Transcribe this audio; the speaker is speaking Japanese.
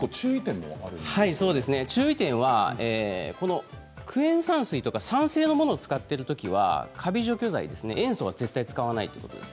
注意点はクエン酸水とか酸性のものを使っているときはカビ除去剤塩素は絶対に使わないということです。